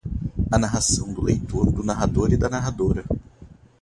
A narração do leitor do narrador e da narradora